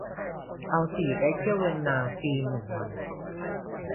เอาสิ ได้เที่ยวเวียนนาฟรีหนึ่งวัน